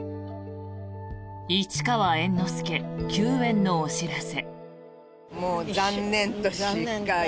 市川猿之助休演のお知らせ。